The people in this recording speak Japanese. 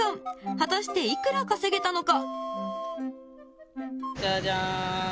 果たして、いくら稼げたのか？